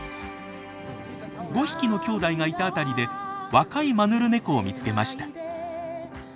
５匹のきょうだいがいた辺りで若いマヌルネコを見つけました。